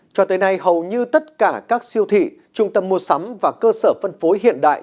cho tới nay hầu như tất cả các siêu thị trung tâm mua sắm và cơ sở phân phối hiện đại